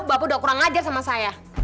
bapak udah kurang ajar sama saya